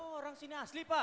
orang sini asli pak